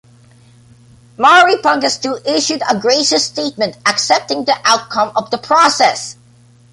Mari Pangestu issued a gracious statement accepting the outcome of the process.